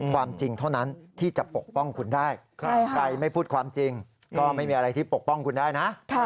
ใครไม่พูดความจริงก็ไม่มีอะไรที่ปกป้องคุณได้นะ